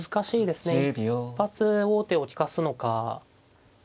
一発王手を利かすのか。